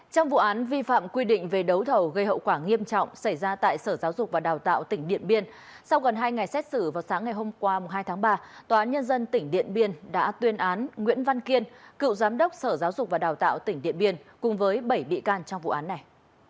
trong vụ án vi phạm quy định về đấu thầu gây hậu quả nghiêm trọng xảy ra tại sở giáo dục và đào tạo tỉnh điện biên sau gần hai ngày xét xử vào sáng ngày hôm qua hai tháng ba tòa án nhân dân tỉnh điện biên đã tuyên án nguyễn văn kiên cựu giám đốc sở giáo dục và đào tạo tỉnh điện biên cùng với bảy bị can trong vụ án này